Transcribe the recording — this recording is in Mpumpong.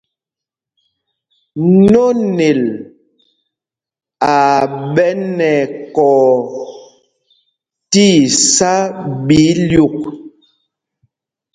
Nonel aa ɓɛ nɛ ɛkɔɔ tí isá ɓɛ ílyûk.